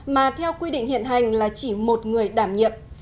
mà theo quy định hiện hành là chỉ một người đảm nhiệm